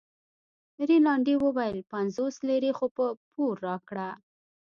رینالډي وویل پنځوس لیرې خو په پور راکړه.